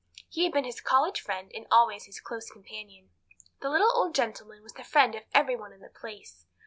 He had been his college friend and always his close companion. The little old gentleman was the friend of every one in the place.